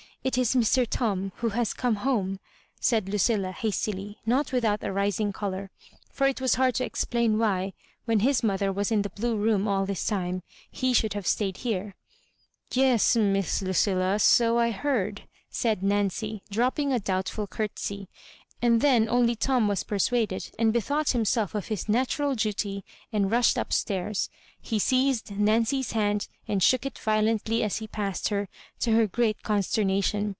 It is Mr. Tom, who has come home," said Ludlla^ hastQy, not without a rising colour ; for it was hard to explaiu v/iiy, when hia mother was in the blue room all this time, he should have stayed here. "Yes, Miss Ludlla^ flo I heard," said Nancy, dropping a doubtful curtsy. And then only Tom was persuaded, and bethought himself of hia natural duty, and rushed up stairs. He seized Nancy's hand, and shook it violently as he passed her, to her great consternation.